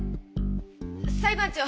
裁判長！